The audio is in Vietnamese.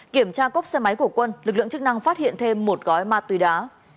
kiểm tra cốc xe máy của quân lực lượng chức năng phát hiện thêm một gói ma túy đá